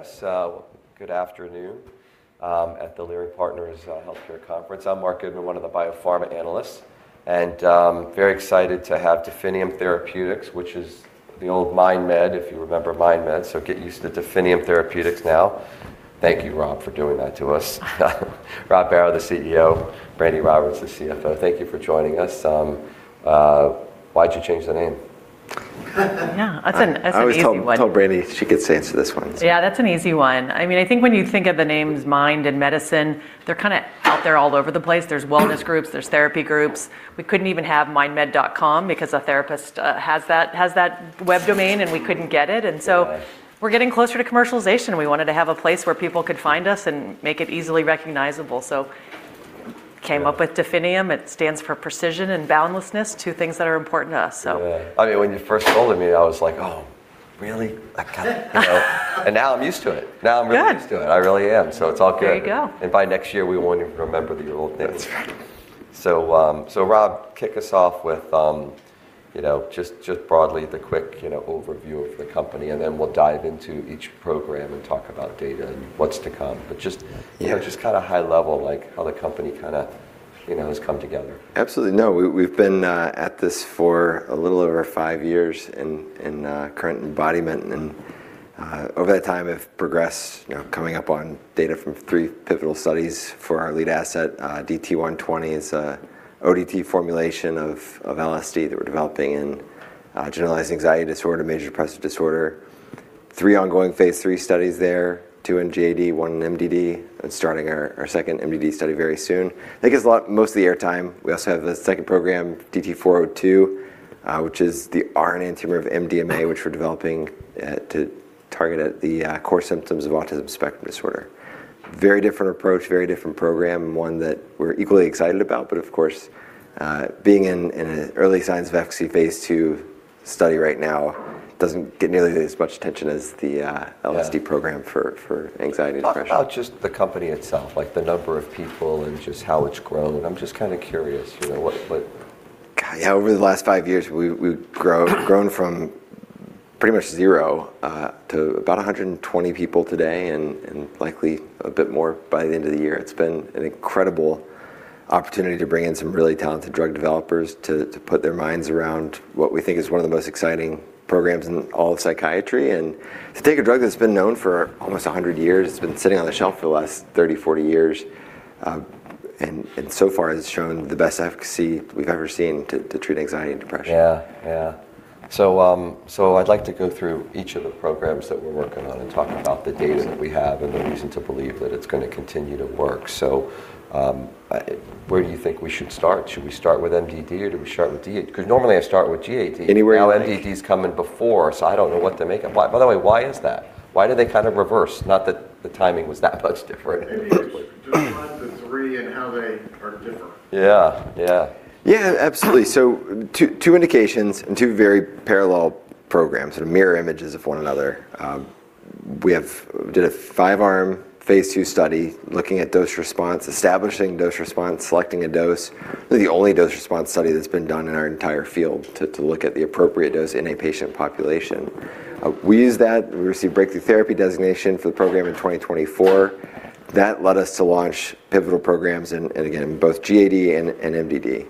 Yes, good afternoon, at the Leerink Partners Global Healthcare Conference. I'm Marc Goodman, one of the biopharma analysts, and very excited to have Definium Therapeutics, which is the old MindMed, if you remember MindMed, so get used to Definium Therapeutics now. Thank you, Robert, for doing that to us. Robert Barrow, the CEO, Brandi Roberts, the CFO, thank you for joining us. Why'd you change the name? Yeah, that's an easy one. I always told Brandi she could say it so this one. Yeah, that's an easy one. I mean, I think when you think of the names Mind and Medicine, they're kinda out there all over the place. There's wellness groups, there's therapy groups. We couldn't even have mindmed.com because a therapist has that web domain, and we couldn't get it. Yeah. We're getting closer to commercialization. We wanted to have a place where people could find us and make it easily recognizable, so we came up with Definium. It stands for precision and boundlessness, two things that are important to us. Yeah. I mean, when you first told me, I was like, "Oh, really?" I kinda, you know? Now I'm used to it. Now I'm really used to it. Good. I really am, so it's all good. There you go. By next year we won't even remember the old name. That's right. Rob, kick us off with, you know, just broadly the quick, you know, overview of the company and then we'll dive into each program and talk about data and what's to come. Yeah. You know, just kinda high level, like how the company kinda, you know, has come together. Absolutely. We've been at this for a little over five years in current embodiment. Over that time we've progressed, you know, coming up on data from three pivotal studies for our lead asset. DT120 is an ODT formulation of LSD that we're developing in generalized anxiety disorder, major depressive disorder. Three ongoing phase III studies there, 2 in GAD, 1 in MDD, and starting our second MDD study very soon. I think it's a lot most of the air time. We also have the second program, DT402, which is the R-enantiomer of MDMA which we're developing to target the core symptoms of autism spectrum disorder. Very different approach, very different program, one that we're equally excited about, but of course, being in an early signs of efficacy phase II study right now doesn't get nearly as much attention as the. Yeah. LSD program for anxiety and depression. Talk about just the company itself, like the number of people and just how it's grown. I'm just kinda curious, you know, what. God, yeah, over the last five years we've grown from pretty much zero to about 120 people today and likely a bit more by the end of the year. It's been an incredible opportunity to bring in some really talented drug developers to put their minds around what we think is one of the most exciting programs in all of psychiatry, and to take a drug that's been known for almost 100 years, it's been sitting on the shelf for the last 30, 40 years, and so far has shown the best efficacy we've ever seen to treat anxiety and depression. Yeah. Yeah. I'd like to go through each of the programs that we're working on and talk about the data that we have and the reason to believe that it's gonna continue to work. Where do you think we should start? Should we start with MDD or do we start with D? 'Cause normally I start with GAD. Anywhere you think. Now MDD's coming before. By the way, why is that? Why do they kind of reverse? Not that the timing was that much different. Yeah. Yeah. Yeah. Absolutely. Two indications and 2 very parallel programs. They're mirror images of one another. We did a 5-arm phase II study looking at dose response, establishing dose response, selecting a dose. They're the only dose response study that's been done in our entire field to look at the appropriate dose in a patient population. We used that. We received Breakthrough Therapy Designation for the program in 2024. That led us to launch pivotal programs in, and again, both GAD and MDD.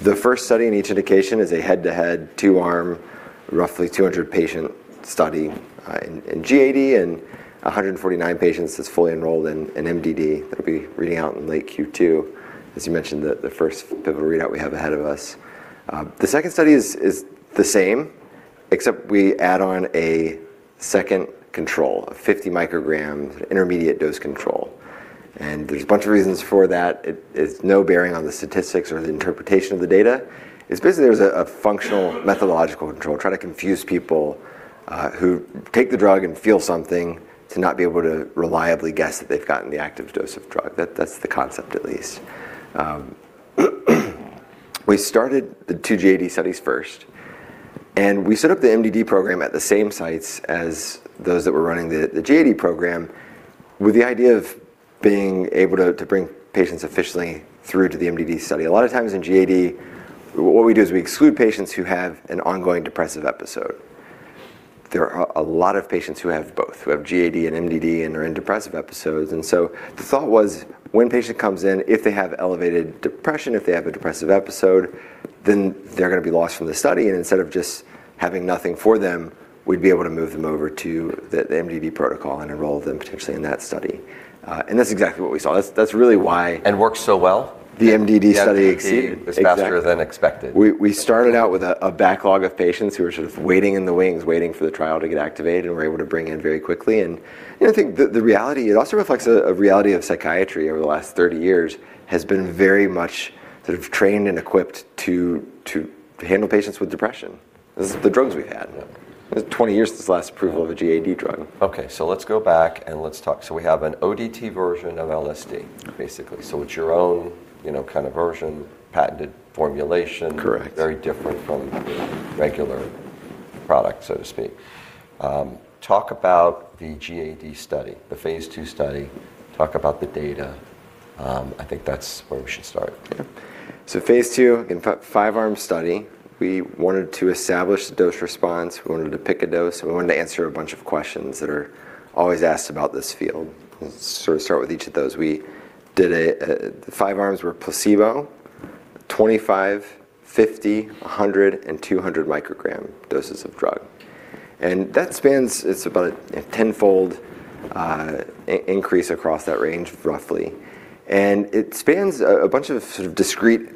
The first study in each indication is a head-to-head, 2-arm, roughly 200-patient study in GAD and 149 patients that's fully enrolled in MDD that'll be reading out in late Q2. As you mentioned, the first pivotal readout we have ahead of us. The second study is the same except we add on a second control, a 50 microgram intermediate dose control, and there's a bunch of reasons for that. It has no bearing on the statistics or the interpretation of the data. It's basically there as a functional methodological control to try to confuse people who take the drug and feel something to not be able to reliably guess that they've gotten the active dose of drug. That's the concept at least. We started the two GAD studies first and we set up the MDD program at the same sites as those that were running the GAD program with the idea of being able to bring patients officially through to the MDD study. A lot of times in GAD, what we do is we exclude patients who have an ongoing depressive episode. There are a lot of patients who have both, who have GAD and MDD and are in depressive episodes. The thought was when patient comes in, if they have elevated depression, if they have a depressive episode, then they're gonna be lost from the study, and instead of just having nothing for them, we'd be able to move them over to the MDD protocol and enroll them potentially in that study. That's exactly what we saw. That's really why. And worked so well. The MDD study exceeded. Yeah. Exactly. Was faster than expected. We started out with a backlog of patients who were sort of waiting in the wings, waiting for the trial to get activated, and we're able to bring in very quickly. You know, I think the reality it also reflects a reality of psychiatry over the last 30 years has been very much sort of trained and equipped to handle patients with depression. This is the drugs we've had. It's 20 years since the last approval of a GAD drug. Okay. Let's go back and let's talk. We have an ODT version of LSD, basically. It's your own, you know, kind of version, patented formulation. Correct. Very different from the regular product, so to speak. Talk about the GAD study, the phase II study. Talk about the data. I think that's where we should start. Yeah. Phase two, 5-arm study, we wanted to establish the dose response, we wanted to pick a dose, and we wanted to answer a bunch of questions that are always asked about this field. Let's sort of start with each of those. We did. The 5-arms were placebo, 25, 50, 100, and 200 microgram doses of drug. That spans. It's about a tenfold increase across that range, roughly. It spans a bunch of sort of discrete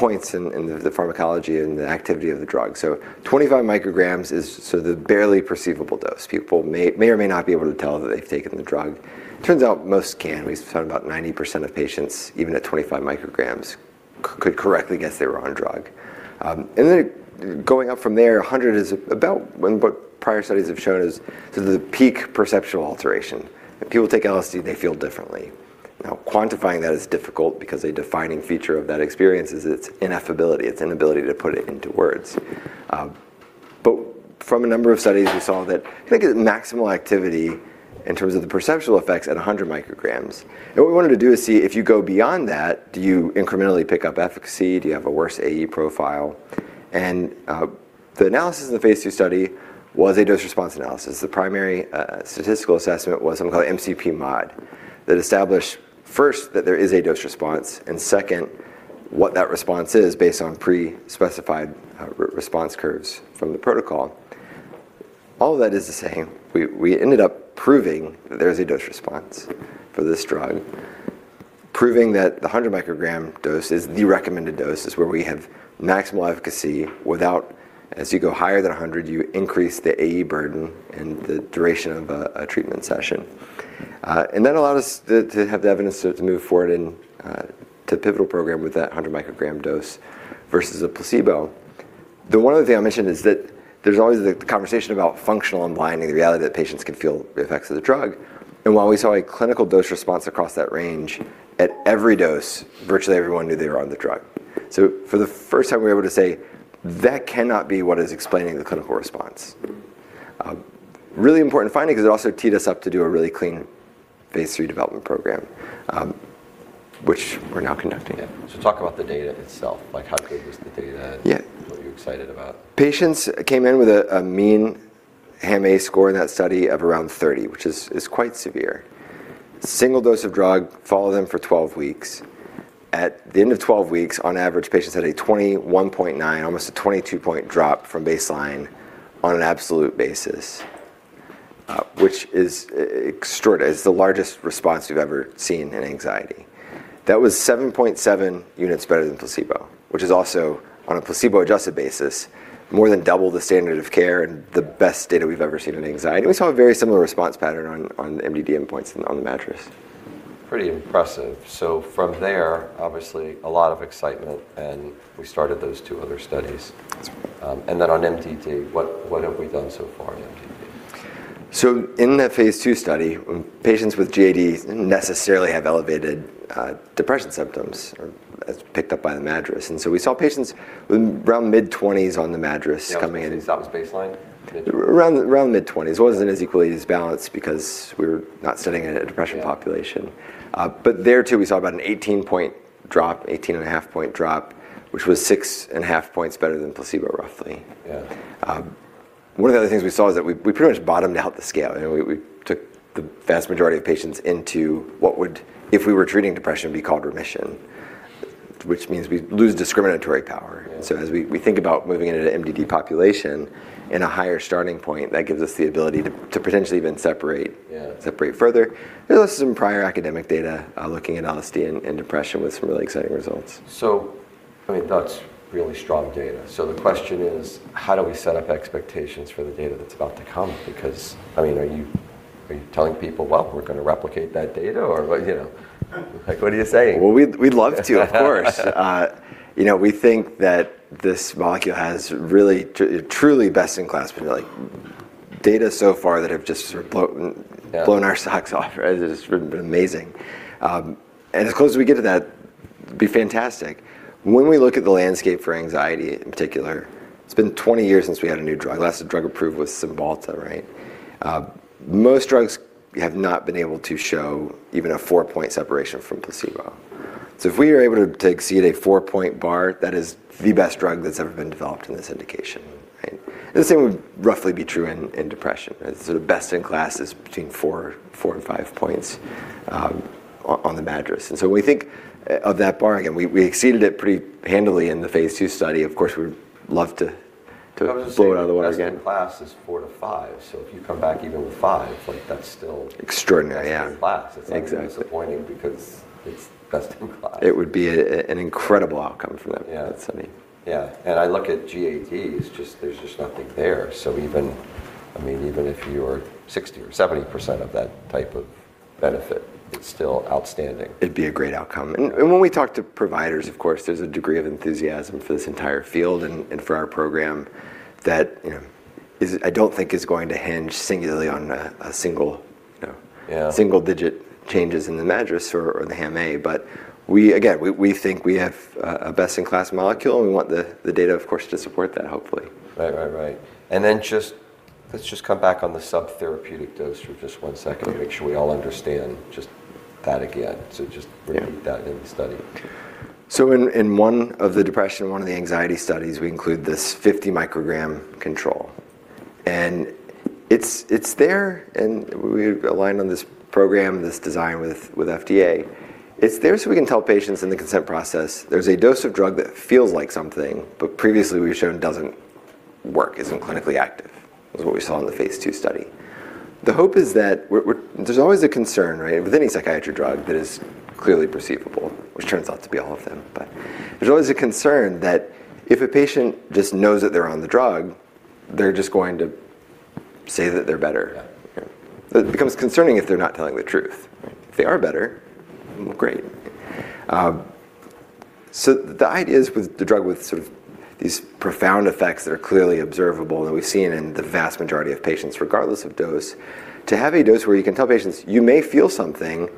points in the pharmacology and the activity of the drug. 25 micrograms is the barely perceivable dose. People may or may not be able to tell that they've taken the drug. Turns out most can. We found about 90% of patients, even at 25 micrograms, could correctly guess they were on a drug. Going up from there, 100 is about what prior studies have shown is sort of the peak perceptual alteration. When people take LSD, they feel differently. Now, quantifying that is difficult because a defining feature of that experience is its ineffability, its inability to put it into words. From a number of studies, we saw that I think a maximal activity in terms of the perceptual effects at 100 micrograms. What we wanted to do is see if you go beyond that, do you incrementally pick up efficacy? Do you have a worse AE profile? The analysis of the phase two study was a dose response analysis. The primary statistical assessment was something called MCP-Mod that established first, that there is a dose response, and second, what that response is based on pre-specified response curves from the protocol. All that is to say, we ended up proving that there is a dose response for this drug, proving that the 100 microgram dose is the recommended dose. It's where we have maximal efficacy without, as you go higher than 100, you increase the AE burden and the duration of a treatment session. That allowed us to have the evidence to move forward and to pivotal program with that 100 microgram dose versus a placebo. The one other thing I'll mention is that there's always the conversation about functional unblinding and the reality that patients can feel the effects of the drug. While we saw a clinical dose response across that range, at every dose, virtually everyone knew they were on the drug. For the first time, we were able to say, "That cannot be what is explaining the clinical response." Really important finding because it also teed us up to do a really clean phase III development program, which we're now conducting. Yeah. Talk about the data itself. Like how good was the data? Yeah. What were you excited about? Patients came in with a mean HAM-A score in that study of around 30, which is quite severe. Single dose of drug, follow them for 12 weeks. At the end of 12 weeks, on average, patients had a 21.9, almost a 22-point drop from baseline on an absolute basis, which is extraordinary. It's the largest response we've ever seen in anxiety. That was 7.7 units better than placebo, which is also on a placebo-adjusted basis, more than double the standard of care and the best data we've ever seen on anxiety. We saw a very similar response pattern on the MDD endpoints on the MADRS. Pretty impressive. From there, obviously a lot of excitement, and we started those two other studies. That's right. On MDD, what have we done so far on MDD? In that phase II study, when patients with GAD didn't necessarily have elevated, depression symptoms or as picked up by the MADRS. We saw patients with around mid-20s on the MADRS coming in- Yeah, okay, that was baseline? Around mid-20s. It wasn't as equally as balanced because we were not sitting in a depression population. Yeah. There too, we saw about an 18-point drop, 18.5-point drop, which was 6.5 points better than placebo, roughly. Yeah. One of the other things we saw is that we pretty much bottomed out the scale, you know. We took the vast majority of patients into what would, if we were treating depression, be called remission, which means we lose discriminatory power. Yeah. As we think about moving into an MDD population in a higher starting point, that gives us the ability to potentially even separate. Yeah Separate further. There's also some prior academic data looking at LSD and depression with some really exciting results. I mean, that's really strong data. The question is, how do we set up expectations for the data that's about to come? Because I mean, are you, are you telling people, "Well, we're gonna replicate that data," or what, you know? Like, what are you saying? Well, we'd love to, of course. You know, we think that this molecule has really truly best in class feel like data so far that have just sort of blown. Yeah. Blown our socks off, right. It's just been amazing. As close as we get to that, it'd be fantastic. When we look at the landscape for anxiety in particular, it's been 20 years since we had a new drug. Last drug approved was Cymbalta, right? Most drugs have not been able to show even a four-point separation from placebo. If we are able to exceed a four-point bar, that is the best drug that's ever been developed in this indication, right? The same would roughly be true in depression. The sort of best in class is between four and five points on the MADRS. We think of that bar, again, we exceeded it pretty handily in the phase II study. Of course, we would love to blow it out of the water again. Can I just say, best in class is 4-5, so if you come back even with 5, like that's still. Extraordinary. Yeah Best in class. Exactly. It's not even disappointing because it's best in class. It would be an incredible outcome for them. Yeah. That study. Yeah. I look at GAD, it's just, there's just nothing there. Even, I mean, even if you're 60% or 70% of that type of benefit, it's still outstanding. It'd be a great outcome. When we talk to providers, of course, there's a degree of enthusiasm for this entire field and for our program that, you know, I don't think is going to hinge singularly on a single, you know. Yeah. Single digit changes in the MADRS or the HAM-A. We again think we have a best in class molecule, and we want the data, of course, to support that, hopefully. Right. Let's just come back on the subtherapeutic dose for just one second to make sure we all understand just that again. Yeah Repeat that in the study. In one of the depression studies, one of the anxiety studies, we include this 50 microgram control. It's there, and we aligned on this program, this design with FDA. It's there so we can tell patients in the consent process, there's a dose of drug that feels like something, but previously we've shown doesn't work, isn't clinically active. That's what we saw in the phase II study. The hope is that we're. There's always a concern, right, with any psychiatry drug that is clearly perceivable, which turns out to be all of them. There's always a concern that if a patient just knows that they're on the drug, they're just going to say that they're better. Yeah. It becomes concerning if they're not telling the truth. Right. If they are better, well, great. The idea is with the drug with sort of these profound effects that are clearly observable and we've seen in the vast majority of patients, regardless of dose, to have a dose where you can tell patients, "You may feel something,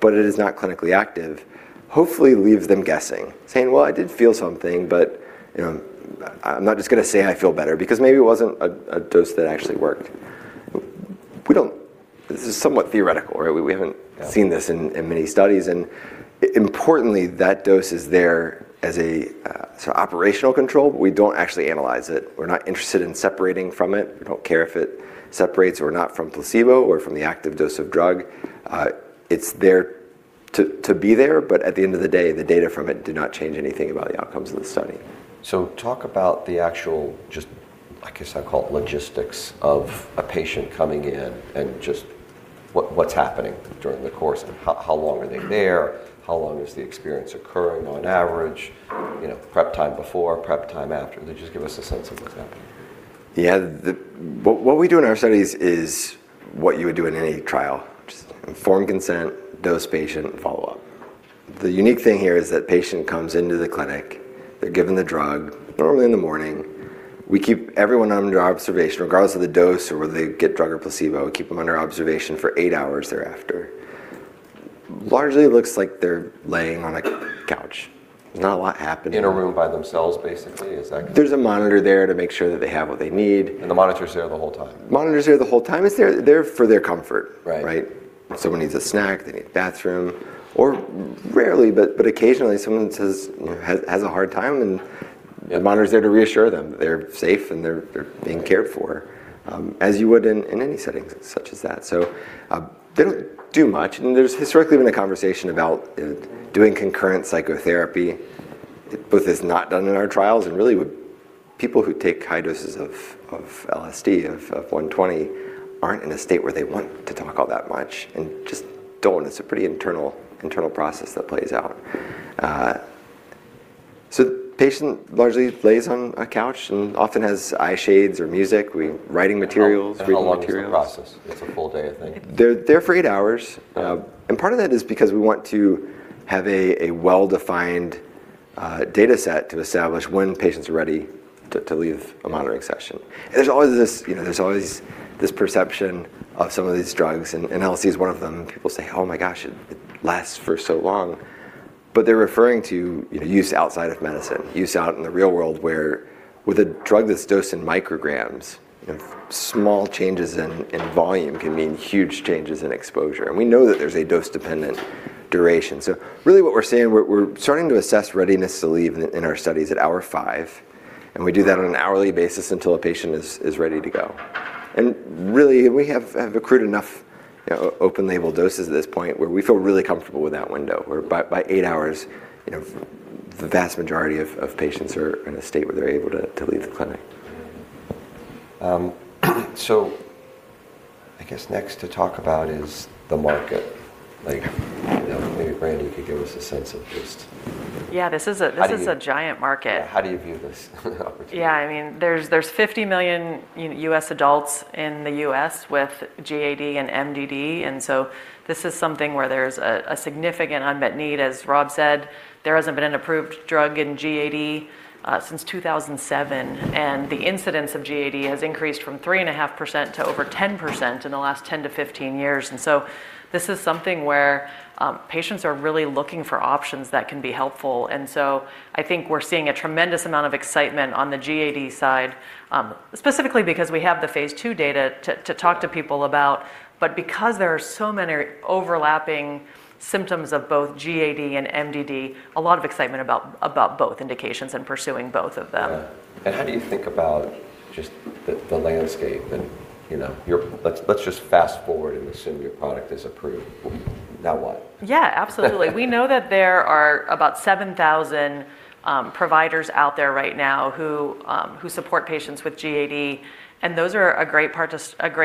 but it is not clinically active," hopefully leaves them guessing. Saying, "Well, I did feel something, but, you know, I'm not just gonna say I feel better because maybe it wasn't a dose that actually worked." This is somewhat theoretical, right? We haven't seen this in many studies. Importantly, that dose is there as a sort of operational control, but we don't actually analyze it. We're not interested in separating from it. We don't care if it separates or not from placebo or from the active dose of drug. It's there to be there, but at the end of the day, the data from it did not change anything about the outcomes of the study. Talk about the actual just, I guess I'd call, logistics of a patient coming in and just what's happening during the course. How long are they there? How long is the experience occurring on average? You know, prep time before, prep time after. Just give us a sense of what's happening. Yeah. What we do in our studies is what you would do in any trial. Just informed consent, dose patient, follow up. The unique thing here is that patient comes into the clinic, they're given the drug, normally in the morning. We keep everyone under observation, regardless of the dose or whether they get drug or placebo. We keep them under observation for eight hours thereafter. Largely looks like they're laying on a couch. Not a lot happening. In a room by themselves, basically? There's a monitor there to make sure that they have what they need. The monitor's there the whole time? Monitor's there the whole time. It's there for their comfort. Right. Right? If someone needs a snack, they need bathroom, or rarely, but occasionally, someone says. You know, has a hard time, and the monitor's there to reassure them that they're safe and they're being cared for, as you would in any setting such as that. They don't do much. There's historically been a conversation about doing concurrent psychotherapy, but that's not done in our trials and really would. People who take high doses of LSD, of 120, aren't in a state where they want to talk all that much and just don't. It's a pretty internal process that plays out. The patient largely lays on a couch and often has eye shades or music. Writing materials, reading materials. How long is the process? It's a full day, I think. They're for 8 hours. Part of that is because we want to have a well-defined data set to establish when patients are ready to leave a monitoring session. There's always this perception of some of these drugs, and LSD is one of them. People say, "Oh my gosh, it lasts for so long." They're referring to, you know, use outside of medicine, use out in the real world where with a drug that's dosed in micrograms, you know, small changes in volume can mean huge changes in exposure, and we know that there's a dose-dependent duration. Really what we're saying, we're starting to assess readiness to leave in our studies at hour five, and we do that on an hourly basis until a patient is ready to go. Really, we have accrued enough open label doses at this point where we feel really comfortable with that window, where by eight hours, you know, the vast majority of patients are in a state where they're able to leave the clinic. I guess next to talk about is the market. Like, you know, maybe Brandi could give us a sense of just. Yeah, this is a. How do you- This is a giant market. How do you view this opportunity? Yeah, I mean, there's 50 million US adults in the US with GAD and MDD, and so this is something where there's a significant unmet need. As Rob said, there hasn't been an approved drug in GAD since 2007, and the incidence of GAD has increased from 3.5% to over 10% in the last 10-15 years. This is something where patients are really looking for options that can be helpful. I think we're seeing a tremendous amount of excitement on the GAD side, specifically because we have the phase II data to talk to people about. Because there are so many overlapping symptoms of both GAD and MDD, a lot of excitement about both indications and pursuing both of them. Yeah. How do you think about just the landscape and, you know, your. Let's just fast-forward and assume your product is approved. Now what? Yeah, absolutely. We know that there are about 7,000 providers out there right now who support patients with GAD, and those are a great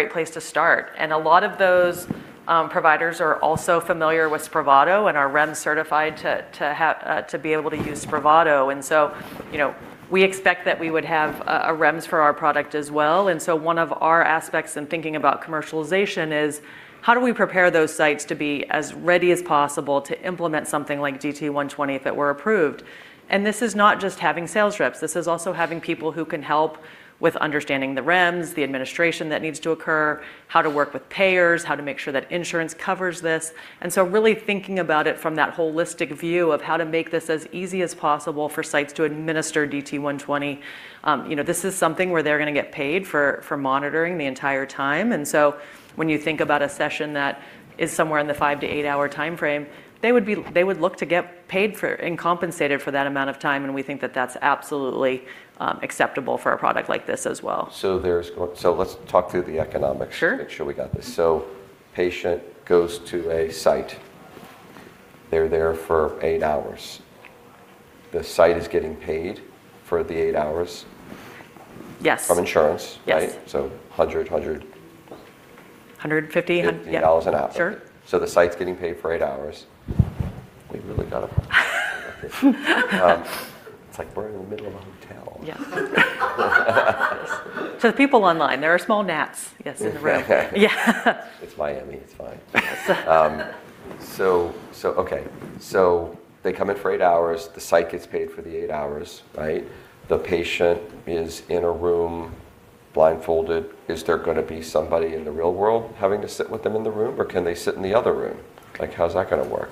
place to start. A lot of those providers are also familiar with Spravato and are REMS certified to be able to use Spravato. You know, we expect that we would have a REMS for our product as well. One of our aspects in thinking about commercialization is, how do we prepare those sites to be as ready as possible to implement something like DT120 if it were approved? This is not just having sales reps. This is also having people who can help with understanding the REMS, the administration that needs to occur, how to work with payers, how to make sure that insurance covers this. Really thinking about it from that holistic view of how to make this as easy as possible for sites to administer DT120. You know, this is something where they're gonna get paid for monitoring the entire time. When you think about a session that is somewhere in the 5-8-hour timeframe, they would look to get paid for and compensated for that amount of time, and we think that that's absolutely acceptable for a product like this as well. Let's talk through the economics. Sure. Make sure we got this. Patient goes to a site. They're there for eight hours. The site is getting paid for the eight hours. Yes. From insurance, right? Yes. So hundred- 150. $50 an hour. Yeah. Sure. The site's getting paid for eight hours. We've really got a problem. It's like we're in the middle of a hotel. Yeah. To the people online, there are small gnats, yes, in the room. Yeah. Yeah. It's Miami, it's fine. They come in for eight hours, the site gets paid for the eight hours, right? The patient is in a room blindfolded. Is there gonna be somebody in the real world having to sit with them in the room, or can they sit in the other room? Like, how's that gonna work?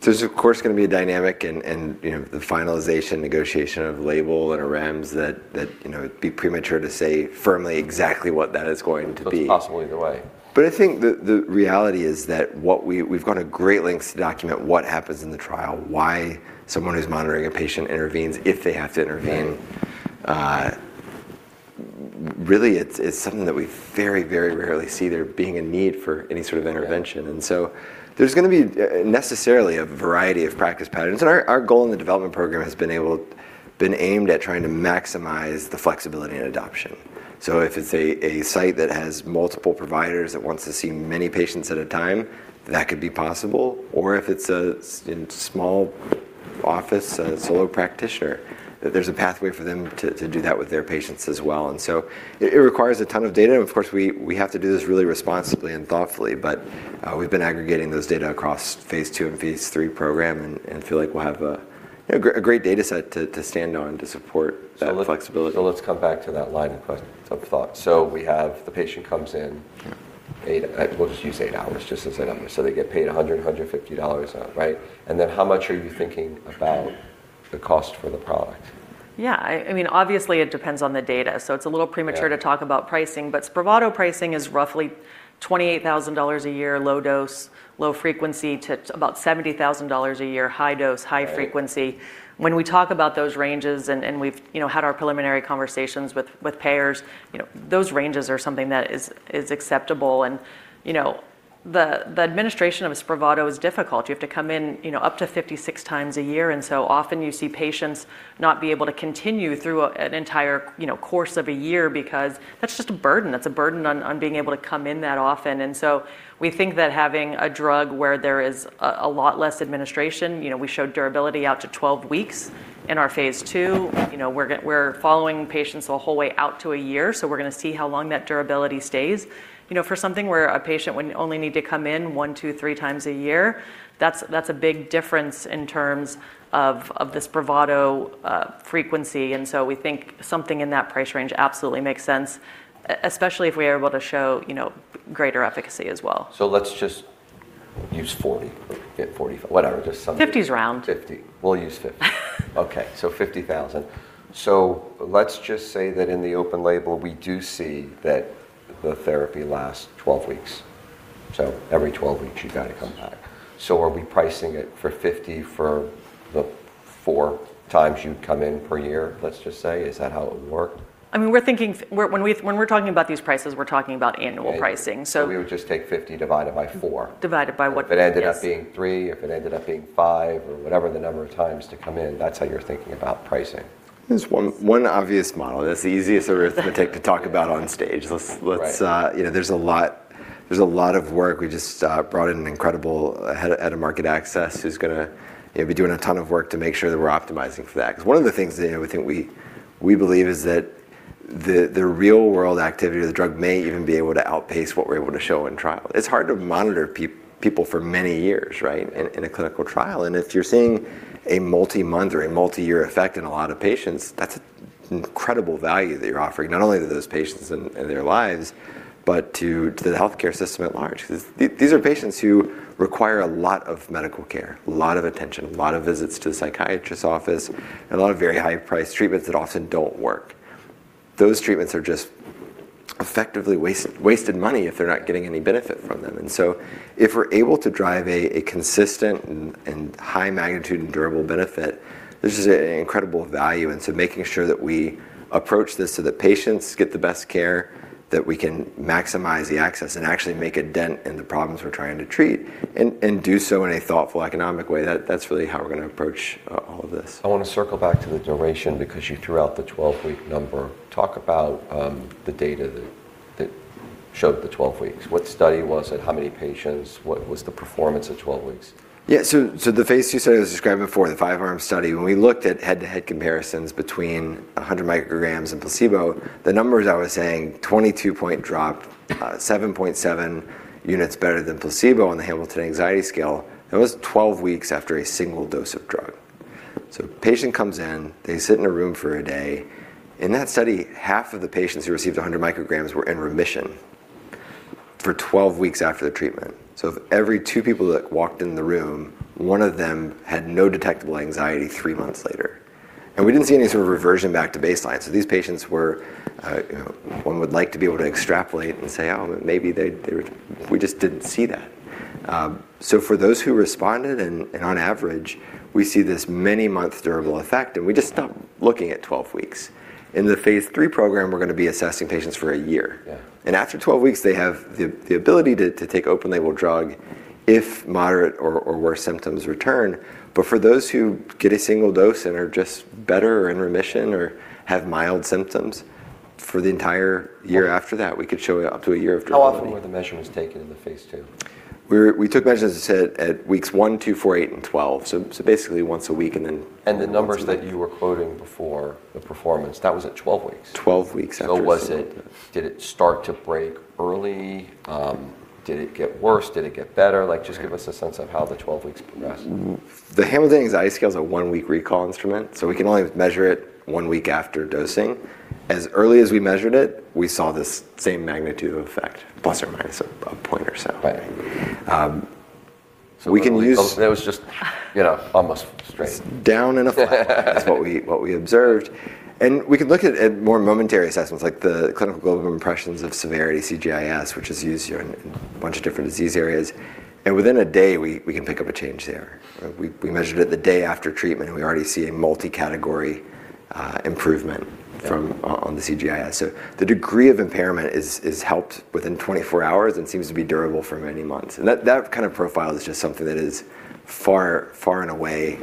There's of course gonna be a dynamic and, you know, the finalization negotiation of label and REMS that you know, it'd be premature to say firmly exactly what that is going to be. It's possibly the way. I think the reality is that we've gone to great lengths to document what happens in the trial, why someone who's monitoring a patient intervenes if they have to intervene. Yeah. Really it's something that we very, very rarely see there being a need for any sort of intervention. Yeah. There's gonna be necessarily a variety of practice patterns. Our goal in the development program has been aimed at trying to maximize the flexibility and adoption. If it's a site that has multiple providers that wants to see many patients at a time, that could be possible, or if it's a small office, a solo practitioner, there's a pathway for them to do that with their patients as well. It requires a ton of data, and of course, we have to do this really responsibly and thoughtfully. We've been aggregating those data across phase II and phase III programming and feel like we'll have a great data set to stand on to support that flexibility. Let's come back to that line of thought. We have the patient comes in, eight, we'll just use eight hours just as a number. They get paid $100-$150 an hour, right? How much are you thinking about the cost for the product? Yeah. I mean, obviously, it depends on the data, so it's a little premature. Yeah To talk about pricing, but Spravato pricing is roughly $28,000 a year low dose, low frequency, to about $70,000 a year high dose, high frequency. Right. When we talk about those ranges and we've, you know, had our preliminary conversations with payers, you know, those ranges are something that is acceptable. You know, the administration of Spravato is difficult. You have to come in, you know, up to 56 times a year, and so often you see patients not be able to continue through an entire, you know, course of a year because that's just a burden. That's a burden on being able to come in that often. We think that having a drug where there is a lot less administration, you know, we showed durability out to 12 weeks in our phase II. You know, we're following patients the whole way out to a year, so we're gonna see how long that durability stays. You know, for something where a patient would only need to come in 1-3 times a year, that's a big difference in terms of the Spravato frequency. We think something in that price range absolutely makes sense, especially if we are able to show, you know, greater efficacy as well. Let's just use 40. Whatever. Just something. 50's round. 50. We'll use 50. Okay, $50,000. Let's just say that in the open label, we do see that the therapy lasts 12 weeks. Every 12 weeks you've gotta come back. Are we pricing it for $50 for the 4 times you'd come in per year, let's just say? Is that how it would work? I mean, we're thinking when we're talking about these prices, we're talking about annual pricing. Annual. So- We would just take 50 divided by 4. Divided by what the- If it ended up being three, if it ended up being five, or whatever the number of times to come in, that's how you're thinking about pricing. There's one obvious model that's the easiest sort of to take to talk about on stage. Let's- Right. You know, there's a lot of work. We just brought in an incredible head of market access who's gonna, you know, be doing a ton of work to make sure that we're optimizing for that. 'Cause one of the things that, you know, we think we believe is that the real world activity of the drug may even be able to outpace what we're able to show in trial. It's hard to monitor people for many years, right, in a clinical trial, and if you're seeing a multi-month or a multi-year effect in a lot of patients, that's incredible value that you're offering not only to those patients and their lives, but to the healthcare system at large. 'Cause these are patients who require a lot of medical care, a lot of attention, a lot of visits to the psychiatrist's office, and a lot of very high-priced treatments that often don't work. Those treatments are just effectively wasted money if they're not getting any benefit from them. If we're able to drive a consistent and high magnitude and durable benefit, this is an incredible value. Making sure that we approach this so that patients get the best care, that we can maximize the access and actually make a dent in the problems we're trying to treat and do so in a thoughtful, economic way, that's really how we're gonna approach all of this. I wanna circle back to the duration because you threw out the 12-week number. Talk about the data that showed the 12 weeks. What study was it? How many patients? What was the performance at 12 weeks? Yeah. The phase II study that I described before, the five-arm study, when we looked at head-to-head comparisons between 100 micrograms and placebo, the numbers I was saying, 22-point drop, 7.7 units better than placebo on the Hamilton Anxiety Scale, that was 12 weeks after a single dose of drug. Patient comes in, they sit in a room for a day. In that study, half of the patients who received 100 micrograms were in remission for 12 weeks after the treatment. Of every two people that walked in the room, one of them had no detectable anxiety three months later. We didn't see any sort of reversion back to baseline, so these patients were one would like to be able to extrapolate and say, "Oh, maybe they would." We just didn't see that. For those who responded, and on average, we see this many month durable effect, and we just stopped looking at 12 weeks. In the phase III program, we're gonna be assessing patients for a year. Yeah. After 12 weeks, they have the ability to take open-label drug if moderate or worse symptoms return. For those who get a single dose and are just better or in remission, or have mild symptoms for the entire year after that, we could show up to a year of durability. How often were the measurements taken in the phase II? We took measurements at weeks 1, 2, 4, 8, and 12. Basically once a week, and then. The numbers that you were quoting before, the performance, that was at 12 weeks? 12 weeks after Did it start to break early? Did it get worse? Did it get better? Like, just give us a sense of how the 12 weeks progressed. The Hamilton Anxiety Scale is a one-week recall instrument, so we can only measure it one week after dosing. As early as we measured it, we saw this same magnitude of effect, plus or minus a point or so. Right. We can use. That was just, you know, almost straight. Down and a flat is what we observed. We can look at more momentary assessments like the Clinical Global Impressions - Severity, CGIS, which is used here in a bunch of different disease areas. Within a day, we can pick up a change there. We measured it the day after treatment, and we already see a multi-category improvement from- Yeah. On the CGIS. The degree of impairment is helped within 24 hours and seems to be durable for many months. That kind of profile is just something that is far, far and away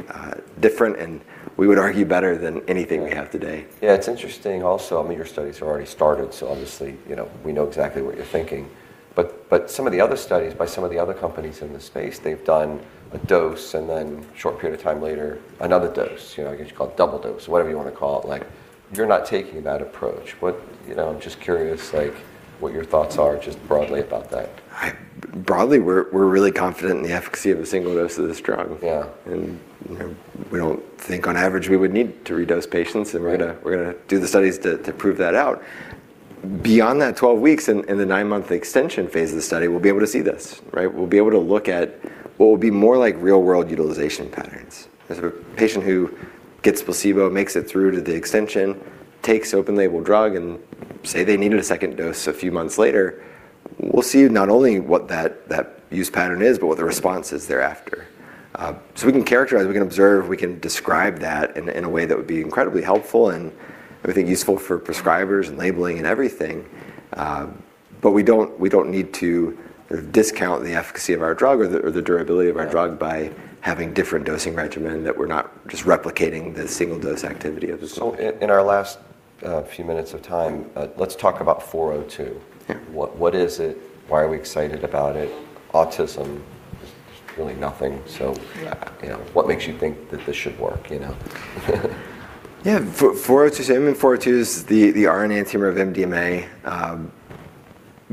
different, and we would argue better than anything we have today. Yeah, it's interesting also, I mean, your studies have already started, so obviously, you know, we know exactly what you're thinking. But some of the other studies by some of the other companies in this space, they've done a dose and then short period of time later, another dose. You know, I guess you'd call it double dose, whatever you wanna call it. Like, you're not taking that approach. You know, I'm just curious, like, what your thoughts are just broadly about that. Broadly, we're really confident in the efficacy of a single dose of this drug. Yeah. You know, we don't think on average we would need to redose patients, and we're gonna. Right. We're gonna do the studies to prove that out. Beyond that 12 weeks, in the 9-month extension phase of the study, we'll be able to see this, right? We'll be able to look at what will be more like real-world utilization patterns. As a patient who gets placebo, makes it through to the extension, takes open label drug and say they needed a second dose a few months later, we'll see not only what that use pattern is, but what the response is thereafter. So we can characterize, we can observe, we can describe that in a way that would be incredibly helpful and I think useful for prescribers and labeling and everything. We don't need to discount the efficacy of our drug or the durability of our drug by having different dosing regimen that we're not just replicating the single dose activity of the. In our last few minutes of time, let's talk about 402. Yeah. What is it? Why are we excited about it? Autism, there's really nothing. Yeah. You know, what makes you think that this should work, you know? Yeah. 402. I mean, 402 is the R-enantiomer of MDMA,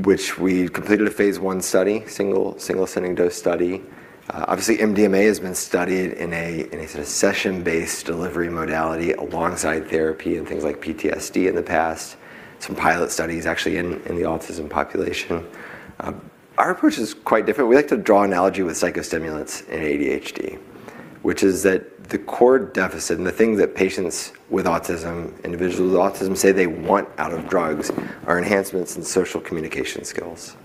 which we completed a phase I study, single ascending dose study. Obviously MDMA has been studied in a sort of session-based delivery modality alongside therapy and things like PTSD in the past, some pilot studies actually in the autism population. Our approach is quite different. We like to draw analogy with psychostimulants in ADHD, which is that the core deficit and the thing that patients with autism, individuals with autism say they want out of drugs are enhancements in social communication skills.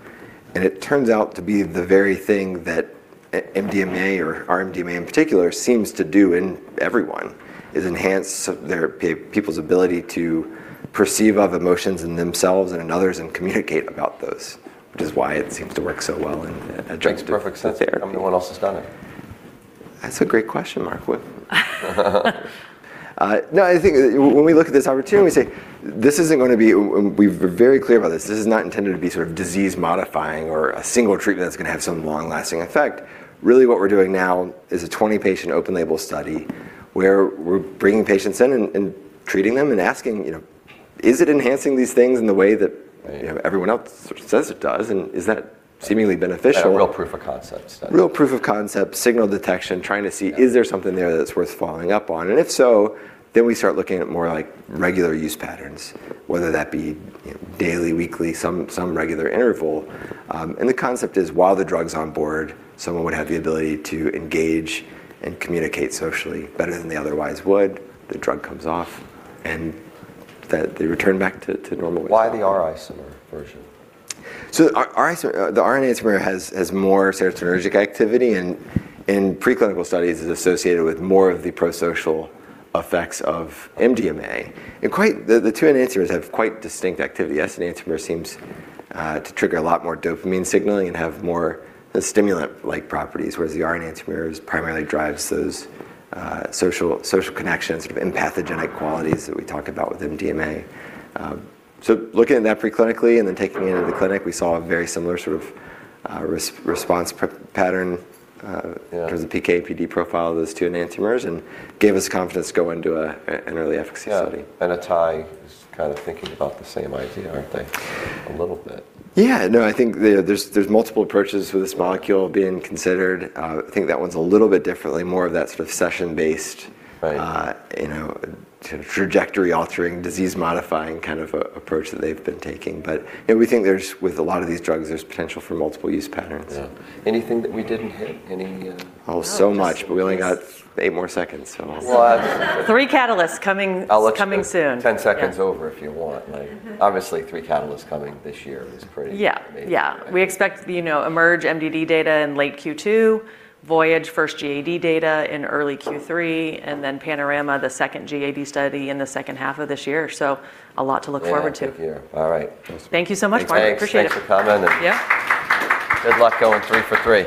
It turns out to be the very thing that MDMA or R-MDMA in particular seems to do in everyone, is enhance people's ability to perceive of emotions in themselves and in others and communicate about those, which is why it seems to work so well in addressing. Makes perfect sense. Why no one else has done it? That's a great question, Marc. No, I think when we look at this opportunity and we say, "This isn't gonna be." We're very clear about this is not intended to be sort of disease modifying or a single treatment that's gonna have some long-lasting effect. Really what we're doing now is a 20-patient open label study where we're bringing patients in and treating them and asking, you know, "Is it enhancing these things in the way that. Right. You know, everyone else says it does, and is that seemingly beneficial? A real proof of concept study. Real proof of concept, signal detection, trying to see. Yeah. Is there something there that's worth following up on? If so, then we start looking at more like regular use patterns, whether that be, you know, daily, weekly, some regular interval. The concept is while the drug's on board, someone would have the ability to engage and communicate socially better than they otherwise would. The drug comes off and that they return back to normal. Why the R-enantiomer version? The R-enantiomer has more serotonergic activity and in preclinical studies is associated with more of the prosocial effects of MDMA. The two enantiomers have quite distinct activity. S-enantiomer seems to trigger a lot more dopamine signaling and have more of the stimulant-like properties, whereas the R-enantiomer primarily drives those social connections and empathogenic qualities that we talk about with MDMA. Looking at that preclinically and then taking it into the clinic, we saw a very similar sort of response pattern. Yeah. Between the PK/PD profile of those two enantiomers and gave us confidence to go into an early efficacy study. Yeah. atai is kind of thinking about the same idea, aren't they a little bit? Yeah. No, I think there's multiple approaches for this molecule being considered. I think that one's a little bit differently, more of that sort of session-based. Right You know, trajectory altering, disease modifying kind of a approach that they've been taking. You know, we think there's, with a lot of these drugs, there's potential for multiple use patterns. Yeah. Anything that we didn't hit? Any. Oh, so much, but we only got 8 more seconds, so. Well, I- Three catalysts coming. I'll explain. Coming soon. 10 seconds over if you want. Like, obviously three catalysts coming this year is pretty- Yeah Amazing. Yeah. We expect, you know, Emerge MDD data in late Q2, Voyage first GAD data in early Q3, and then Panorama, the second GAD study in the second half of this year. So a lot to look forward to. Yeah, good to hear. All right. Thank you so much, Marc. Thanks. Appreciate it. Thanks for coming. Yeah. Good luck going 3 for 3.